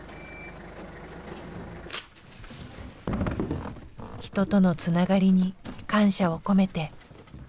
人とのつながりに感謝を込めて。